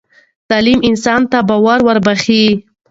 تعلیم انسان ته باور وربخښي.